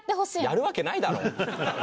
やるわけないだろ。